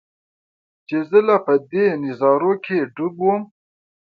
چې زۀ لا پۀ دې نظارو کښې ډوب ووم